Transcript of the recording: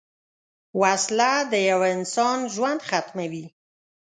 وسله د یوه انسان ژوند ختموي